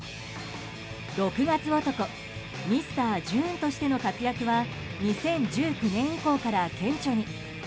６月男、ミスター・ジューンとしての活躍は２０１９年以降から顕著に。